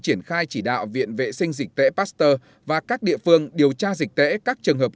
triển khai chỉ đạo viện vệ sinh dịch tễ pasteur và các địa phương điều tra dịch tễ các trường hợp